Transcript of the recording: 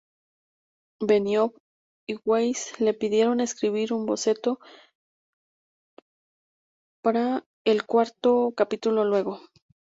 Benioff y Weiss le pidieron escribir un boceto pra el cuarto capítulo luego.